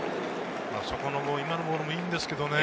今のボールもいいんですけどね。